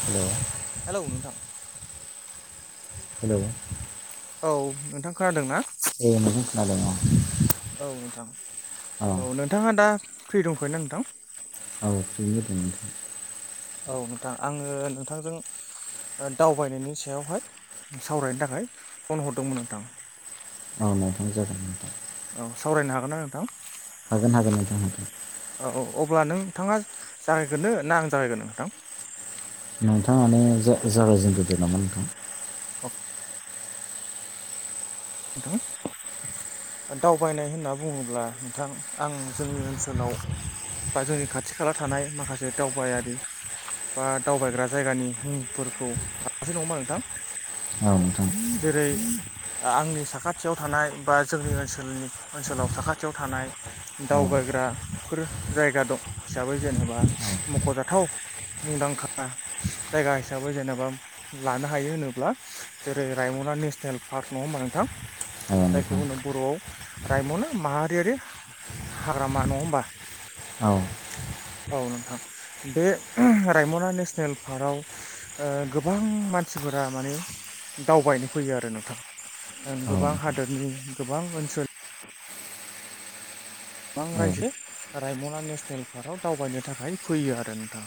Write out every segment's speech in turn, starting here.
[unintelligible] Hello नोंथां। Hello औ नोंथां खोनादों ना? औ नोंथां खोनादों औ। औ नोंथां औ नोंथाङा दा फ्रि दंथ'योना नोंथां। [unintelligible] औ नोंथां आङो नोंथांजों ओ दावबायनायनि सायावहाय सावरायनो थाखाय फन हरदोंमोन नोंथां। औ नोंथां जागोन नोंथां। औ सावरायनो हागोन ना नोंथां। हागोन हागोन नोंथां हागोन। औ औ अब्ला नों नोंथाङा जागायगोरनो ना आं जागायगोरनो नोंथां? नोंथाङानो जा जागायजेन गोरदो नामा नोंथां। औ [unintelligible] दावबायनाय होनना बुङोब्ला नोंथां आं जोंनि ओनसोलाव बा जोंनि खाथि खाला थानाय माखासे दावबायारि बा दावबायग्रा जायगानि मुंफोरखौ [unintelligible] नङा होमबा नोंथां। औ नोंथां जेरै आंनि साखाथियाव थानाय बा जोंनि ओनसोलनि ओनसोलाव साखाथियाव थानाय औ दावबायग्राफोर जायगा दं हिसाबै जेनेबा औ मख'जाथाव मुंदांखा जायगा हिसाबै जेनेबा लानो हायो होनोब्ला जेरै रायमना नेसनेल पार्क नङा होमबा नोंथां। औ जायखौ नोंथां होनो बर'आव रायम'ना माहारियारि हाग्रामा नङा होनोमबा। औ औ नोंथां बे अह रायमना नेसनेल पार्कआव ओ गोबां मानसिफोरा माने दावबायनो फैयो आरो नोंथाङा। औ गोबां नोंथां हादरनि गोबां ओनसोल [unintelligible] गोबां रायजो रायमना नेसनेल पार्कआव दावबायनो थाखाय फैयो आरो नोंथां।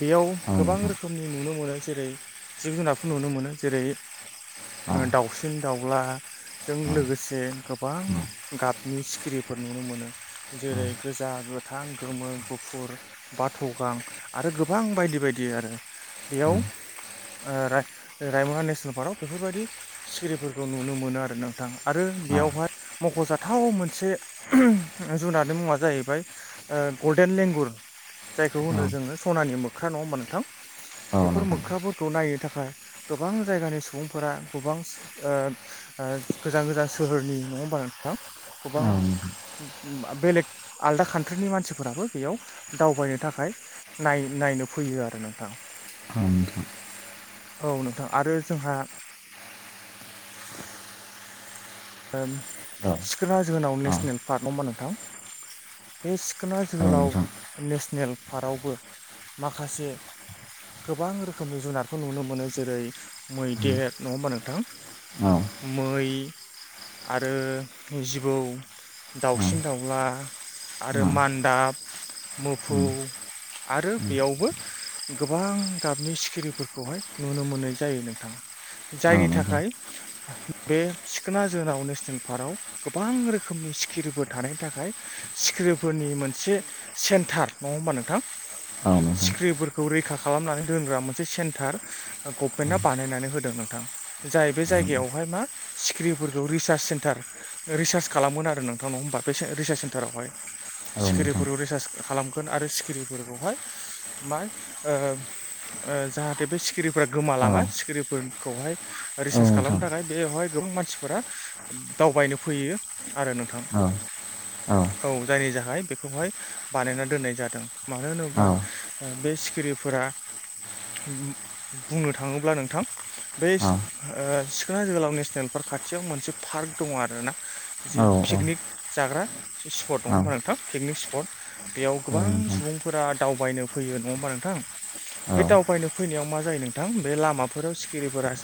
बेयाव औ नोंथां औ गोबां नोंथां रोखोमनि नुनो मोनो जेरै जिब- जुनारफोर नुनो मोनो। जेरै औ नोंथां औ नोंथां औ औ दाउसिन -दाउला जों नोंथां औ लोगोसे गोबां औ गाबनि सिखिरिफोर नुनो मोनो। जेरै गोजा, गोथां, गोमो, गुफुर बाथ' गां आरो गोबां बायदि बायदि आरो बेयाव ओ राय रायमगा नेसनेल पार्कआव बेफोरबायदि सिखिरिफोरखौ नुनो मोनो आरो नोंथां आरो बेयावहाय मख'जाथाव मोनसे अहो जुननि मुङा जाहैबाय ओ गल्डेन लेंगुर जायखौ होनो जोङो सनानि मोख्रा न' मोनथां। बेफोर मोख्राफोरखौ नायनो थाखाय गोबां जायगानि सुबुंफोरा गोबां ओ ओ गोजान- गोजान सोहोरनि नङा होनबा नोंथां? गोबां [unintelligible] बेलेग आलदा कान्ट्रिनि मानसिफोराबो बेयाव दावबायनो थाखाय नाय- नायनो फैयो आरो नोंथां। [unintelligible] औ नोंथां आरो जोंहा औ नोंथां सिखना जोहोलाव नेसनेल पार्क नङा होनबा नोंथां? बे सिखोना औ जोहोलाव नेसनेल पार्कआवबो माखासे गोबां रोखोमनि जुनारखौ नुनो मोनो। जेरै मैदेर नङा होमबा नोंथां? मै आरो जिबौ, दाउसिन -दाउला आरो मान्दाब मोफौ आरो बेयावबो गोबां गाबनि सिखिरिफोरखौहाय नुनो मोननाय जायो नोंथां। जायनि नोंथां थाखाय बे सिखना जोंनाव नेसनेल पार्कआव गोबां रोखोमनि सिखिरिबो थानायनि थाखाय सिख्रिफोरनि मोनसे सेन्टार नङा होमबा नोंथां? सिख्रिफोरखौ [unintelligible] रैखा खालामनानै दोनग्रा मोनसे सेन्टार गभमेन्टआ बानायनानै होदों नोंथां। जाय बे जायगायावहाय मा सिख्रि [unintelligible] सेन्टार रिसार्च खालामोन आरो नोंथांनाव होमबा बे रिसार्च सेन्टारावहाय। औ नोंथां सिखिरिफोर रिसार्च खालाम आरो सिखिरिफोरखौहाय मा ओ ओ जाहाथे से सिख्रि सिखिरिफोरा औ गोमालाङा। सिखिरिफोरखौहाय रिसार्च खालामनो नोंथां थाखाय बेवहाय गोबां मानसि [unintelligible] दावबायनो फैयो आरो नोंथां। औ औ। औ जायनि थाखाय बेखौहाय बानायना दोननाय जादों। मानो होनोबा बे सिखिरिफोरा बुंनो थाङोब्ला नोंथां बे सिख्ला जोहोलाव नेसनेल पार्क खाथियाव मोनसे पार्क दङ आरो ना। जि औ पिकनिक नोंथां जाग्रा स्पट दङ औ होमबा नोंथां पिकनिक स्पट बेयाव गोबां नोंथां सुबुंफोरा दावबायनो फैयो नङा होमबा नोंथां? औ नोंथां बे औ दावबायनो फैनायाव मा जायो नोंथां। बे लामाफोराव सिखिरिफोरा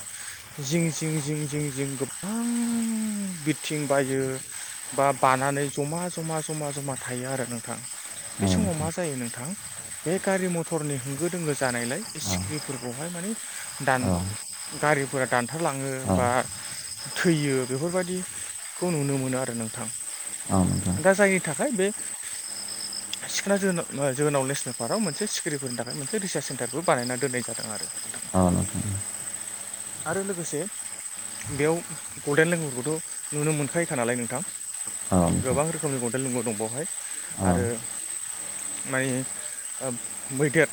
जिं जिं जिं जिं जिं गोबां बिरथिं बायो। बा- बानानै जमा- जमा -जमा -जमा थायो आरो नोंथां। बे समाव मा नोंथां जायो नोंथां बे गारि मथरनि होंगो दोंगो जानायलाय बे सिखिरिफोरखौहाय माने दान औ गारिफोरा दानथारलाङो बा थैयो बेफोरबायदिखौ नुनो मोनो आरो नोंथां। दा नोंथां जायनि थाखाय बे सिखोनना जोहो जोहोलाव नेसनेल पार्कआव मोनसे सिखिरिफोरनि थाखाय मोनसे रिसार्च सेन्टारबो बानायनानै दोननाय जादों आरो। [inaudible] आ आरो लोगोसे बेयाव गल्डेन लेंगुरखौथ' नुनो मोनखायोखा नालाय नोंथां। गोबां रोखोमनि गन्देल ल दं बेवहाय औ आरो मानि मैदेर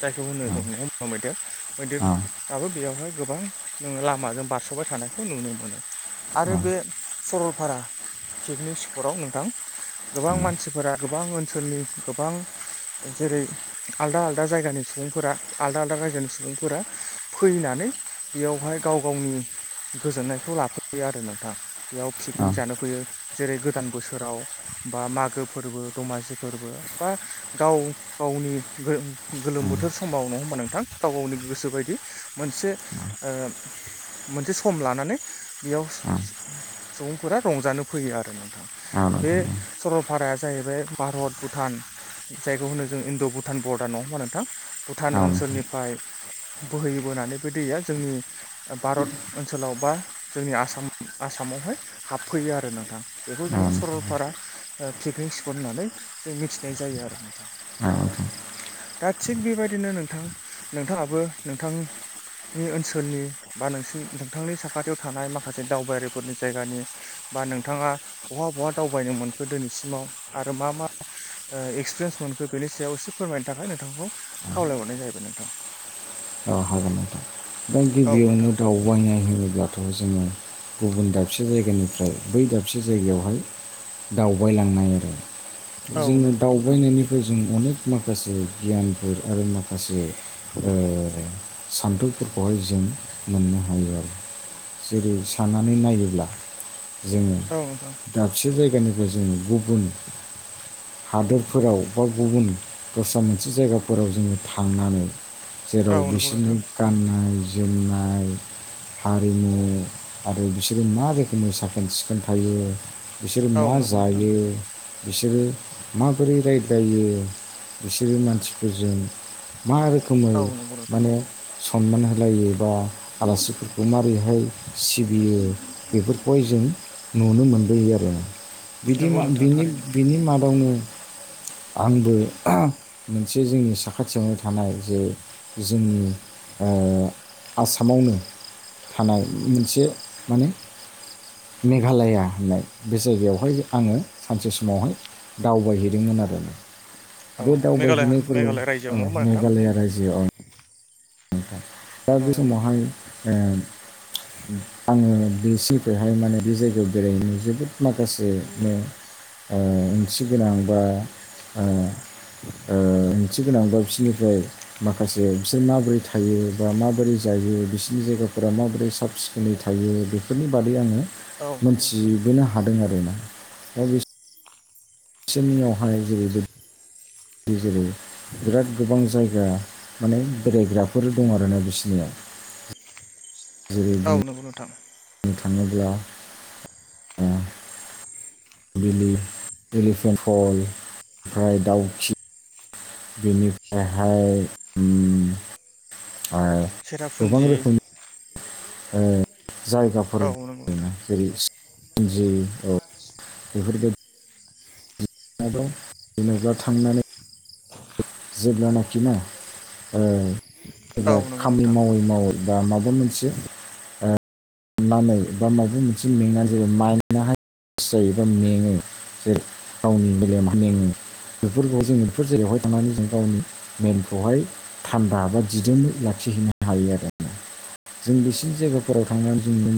जायखौ होनो नङा नोंथां होनबा मैदेर। मैदेराबो बेयावहाय गोबां नोङो लामाजों बारस'बाय थानायखौ नुनो मोनो। मोनो आरो औ बे सरलपारा पिकनिक स्पटआव नोंथां गोबां मानसिफोरा गोबां ओनसोलनि गोबां जेरै आलदा -आलदा जायगानि सुबुंफोरा आलदा- आलदा रायजोनि सुबुंफोरा फैनानै बेयावहाय गाव -गावनि गोजोननाय बे खौ लाफैयो आरो नोंथां बेयाव पिकनिक जानो फैयो जेरै गोदान बोसोराव। बा मागो फोरबो दमासि फोरबो बा गाव। गावनि गो गोलोम बोथोर समाव नङा होमबा नोंथां गाव गावनि गोसो बायदि मोनसे मोनसे सम लानानै बेयाव सुबुंफोरा रंजानो फैयो आरो नोंथां। बे सरलपाराया जाहैबाय भारत भुटान। जायखौ होनो जों इणड' भुटान बरडार नङा होमबा नोंथां भुटान ओनसोलनिफ्राय। बोहैयोबोनानै बे दैया जोंनि भारत ओनसोलाव बा जोंनि आसाम आसामावहाय हाबफैयो आरो नोंथां बेखौ जोङो सरलपारा। पिकनिक स्पट होननानै जों मिथिनाय जायो आरो नोंथां। दा थिग बेबायदिनो नोंथां नोंथाङाबो नोंथां। नि ओनसोलनि बा नोंसि नोंथांनि साखाथियाव थानाय माखासे दावबायारिफोरनि जायगानि। बा नोंथाङा बहा बहा दावबायनो मोनखो दिनैसिमाव आरो मा मा? एक्सपिरियेन्स मोनखो बेनि सायाव एसे फोरमायनो थाखाय नोंथांखौ खावलायहरनाय जाहैबाय नोंथाङा हागोना ओमफ्राय औ गिबियावनो नोंथां दावबायनाय होयो। जोङो गुबुन दाबसे जायगानिफ्राय बै दाबसे जायगायावहाय दावबायलांनाय आरो औ जोङो नंगौ नोंथां दावबायनायनि बे जों अनेक माखासे गियानफोर आरो माखासे। आरो सान्फौफोरखौहाय जों मोननो हायो आरो जेरै साननानै नायोब्ला जोङो। औ नोंथां दाबसे जायगानिफ्राय जों गुबुन हादरफोराव बा गुबुन दस्रा मोनसे जायगाफोराव जोङो थांनानै औ जेराव नंगौ नोंथां बिसोरनि गाननाय-जोमनाय हारिमु आरो बिसोरो मा रोखोमनि साखोन-सिखोन थायो बिसोर औ मा नंगौ नोंथां जायो। बिसोरो माबोरै राय्लायो बिसोरो मानसिफोरजों मा रोखोमै औ हरा माने सनमान होलायो बा आलासिफोरखौ मारैहाय सिबियो। बेफोरखौहाय जों नुनो मोनबोयो आरो। बिदि नंगौ नोंथां बिनि थारैनो बिनि मादावनो आंबो मोनसे जोंनि साखाथियावनो हा जे जोंनि आसामावनो थानाय मोनसे माने मेघालया होननाय बे जायगायावहाय आङो सानसे समावहाय दावबायहैदोंमोन आरोना औ बे मेघालय दावबायहैनायखौल' मेघालय रायजोआव नङा होमबा नोंथां मेघालया रायजो। जे अ। दा औ बे समावहाय नोंथां ओ आङो बे सिनिफ्रायहाय माने बे जायगायाव बेरायहैनो जोबोद माखासेनो ओ ओंथि गोनां बा ओ ओंथि गोनांबा बिसोरनिफ्राय माखासे बिसोर माबोरै थायो बा माबोरै जायो बिसोरनि जायगाफोरा माबोरै साब सिखोनै थायो बेफोरनि बादै आङो औ नंगौ नोंथां मोनथिबोनो हादों आरोना दा बि बिसोरनियावहाय जेरैबाय जेरै बिराद गोबां जायगा माने बेरायग्राफोर दं आरोना बिसनियाव जेरै औ नंगौ नोंथां बुंनो थाङोब्ला एलिफेन्ट फल ओमफ्राय दाउखि। बिनिफ्रायहाय आरो सेरापुन्जि ओ जायगाफोर औ नंगौ दं नोंथां ना जेरै सिरापुजि बेफोरबायदि आरोबाव जेनेबा थांनानै जेब्लानाखि ना ओ औ जेब्ला नंगौ खामानि नोंथां मावै मावै बा माबा मोनसे ओ अननानै बा माबा मोनसे मेंनानै जायो माइडहाय्रे जायो एबा मेङो जेर गावनि मेलेम मेलेम बेफोरखौ जोङो बेफोर जायगायावहाय थांनानै जों गावनि मेेनखौहाय थान्दा बा दिजों लाखिहैनो हायो आरो आ जों बेसिनि जायगाफोराव थांनानै जों नुनो मोनो